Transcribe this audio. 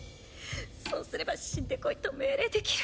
そうすれば死んでこいと命令できる。